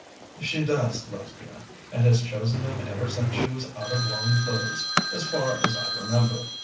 "She does, Lesbia, and has chosen them ever since she was out of long clothes, as far as I remember.